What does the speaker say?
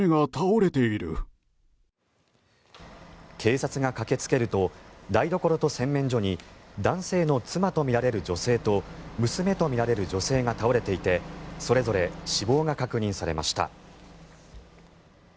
警察が駆けつけると台所と洗面所に男性の妻とみられる女性と娘とみられる女性が倒れていてそれぞれ死亡が確認されました。